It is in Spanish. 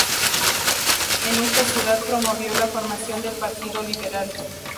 En esta ciudad promovió la formación del Partido Liberal.